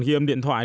ghi âm điện thoại